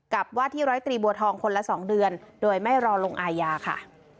กับวาดที่๑๐๓บัวทองคนละ๒เดือนโดยไม่รอลงอายาค่ะ